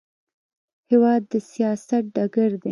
هېواد د سیاست ډګر دی.